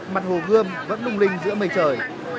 mặt hồ gươm vẫn lung linh giữa mây trời